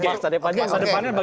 masa depannya bagaimana